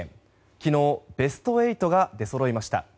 昨日、ベスト８が出そろいました。